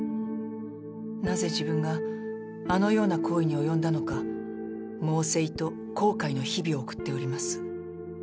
なぜ自分があのような行為に及んだのか猛省と後悔の日々を送っております。